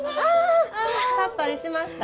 さっぱりしました？